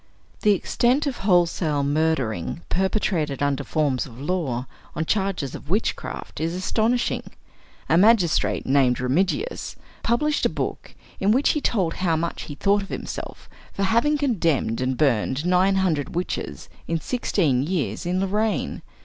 The extent of wholesale murdering perpetrated under forms of law, on charges of witchcraft, is astonishing. A magistrate named Remigius, published a book in which he told how much he thought of himself for having condemned and burned nine hundred witches in sixteen years, in Lorraine.